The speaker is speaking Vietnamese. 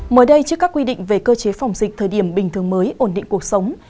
mới đây trước các quy định về cơ chế phòng dịch thời điểm bình thường mới ổn định cuộc sống